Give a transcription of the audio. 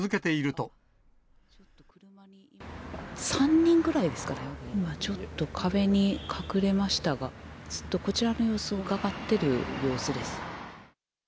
３人ぐらいですかね、今、ちょっと壁に隠れましたが、ずっとこちらの様子をうかがってる様子です。